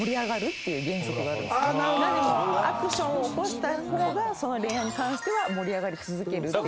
アクションを起こした方がその恋愛に関しては盛り上がり続けるっていう。